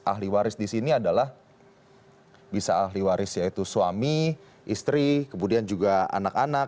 ahli waris di sini adalah bisa ahli waris yaitu suami istri kemudian juga anak anak